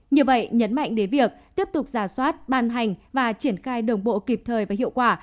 như vậy nhấn mạnh đến việc tiếp tục giả soát ban hành và triển khai đồng bộ kịp thời và hiệu quả